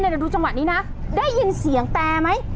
เดี๋ยวดูจังหวะนี้นะได้ยินเสียงแตรไหม